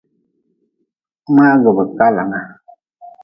Mngagʼbekaalanga.